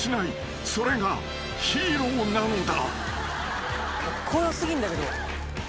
［それがヒーローなのだ］